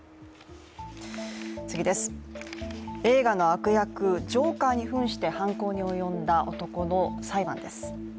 映画の悪役ジョーカーにふんして犯行に及んだ男の裁判です。